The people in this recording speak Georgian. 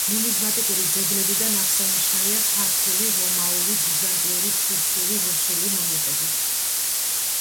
ნუმიზმატიკური ძეგლებიდან აღსანიშნავია ქართული, რომაული, ბიზანტიური, თურქული, რუსული მონეტები.